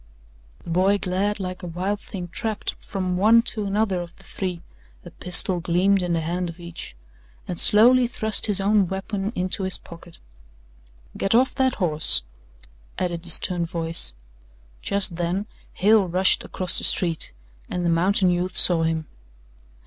The boy glared like a wild thing trapped, from one to another of the three a pistol gleamed in the hand of each and slowly thrust his own weapon into his pocket. "Get off that horse," added the stern voice. Just then Hale rushed across the street and the mountain youth saw him.